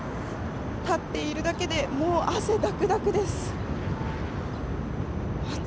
立っているだけでもう汗だくだくです。